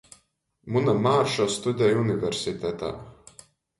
Muna mārša studej universitetā.